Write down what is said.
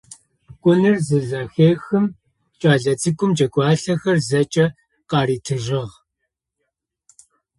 Кӏоныр зызэхехым кӏэлэ цӏыкӏум джэгуалъэхэр зэкӏэ къаритыжьыгъ.